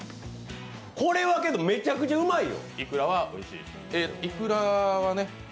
これはめちゃくちゃうまいよ。